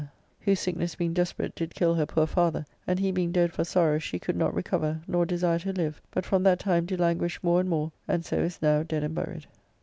See ante, October 3rd] whose sickness being desperate, did kill her poor father; and he being dead for sorrow, she could not recover, nor desire to live, but from that time do languish more and more, and so is now dead and buried.